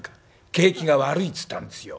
景気が悪いっつったんですよ」。